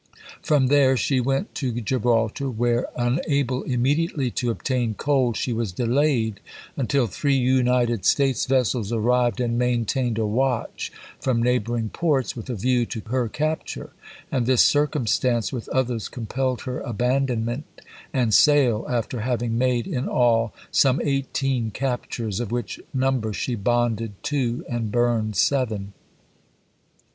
From there she went to Gibraltar, where, unable immediately to obtain coal, she was delayed until three United States vessels arrived and main tained a watch from neighboring ports with a view to her capture ; and this circumstance with others compelled her abandonment and sale, after having made in all some eighteen captures, of which num ber she bonded two and burned seven.